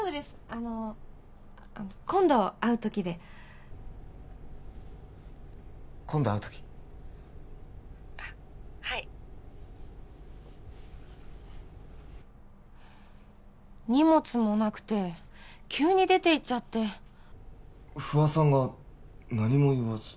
あの今度会う時で今度会う時☎あっはい荷物もなくて急に出ていっちゃって不破さんが何も言わず？